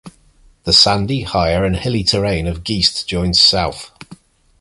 The sandy, higher and hilly terrain of Geest joins south.